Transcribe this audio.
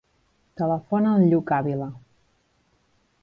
Telefona al Lluc Avila.